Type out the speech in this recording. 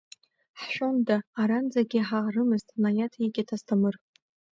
Ҳшәонда аранӡагьы ҳаарымызт, наҭеикит Асҭамыр.